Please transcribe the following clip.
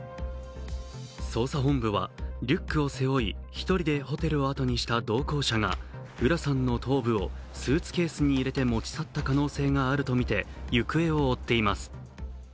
捜査本部はリュックを背負い１人でホテルをあとにした同行者が浦さんの頭部をスーツケースに入れて持ち去った可能性があるとみて行方を追っています。